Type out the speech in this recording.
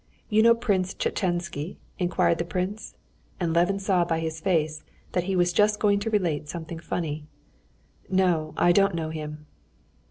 You know Prince Tchetchensky?" inquired the prince; and Levin saw by his face that he was just going to relate something funny. "No, I don't know him."